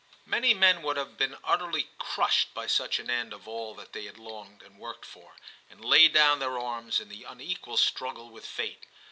Many men would have been utterly crushed by such an end of all that they had longed and worked for, and laid down their arms in the unequal struggle with fate.